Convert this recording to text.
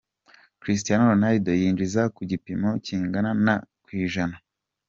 Cristiano Ronaldo :yinjiza ku gipimo kingana na ku ijana.